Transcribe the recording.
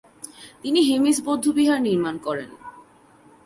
তিনি হেমিস বৌদ্ধবিহার নির্মাণ করেন।